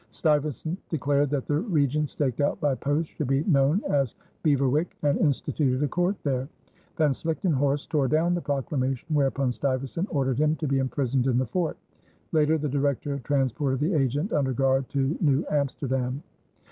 Stuyvesant declared that the region staked out by posts should be known as Beverwyck and instituted a court there. Van Slichtenhorst tore down the proclamation, whereupon Stuyvesant ordered him to be imprisoned in the fort. Later the Director transported the agent under guard to New Amsterdam.